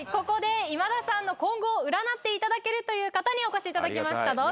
ここで今田さんの今後を占っていただけるという方にお越しいただきました。